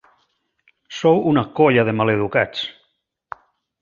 Sou una colla de maleducats.